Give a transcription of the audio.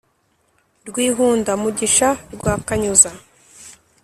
rwihunda-mugisha rwa kanyuza